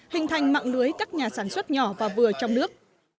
hình thành mạng lưới các nhà sản xuất nhỏ và vừa trong nước